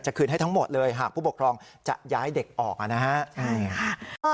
คืนให้ทั้งหมดเลยหากผู้ปกครองจะย้ายเด็กออกนะฮะใช่ค่ะ